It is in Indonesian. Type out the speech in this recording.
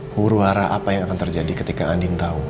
huruara apa yang akan terjadi ketika andin tau